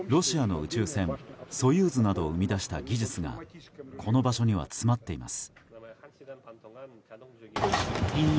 ロシアの宇宙船「ソユーズ」などを生み出した技術がこの場所には詰まっています。